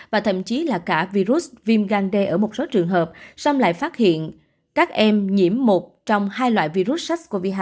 và thậm chí là cả virus viêm gan d ở một số trường hợp xong lại phát hiện các em nhiễm một trong hai loại virus sars cov hai